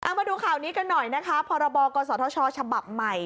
มาดูข่าวนี้กันหน่อยนะคะพรบกศธชฉบับใหม่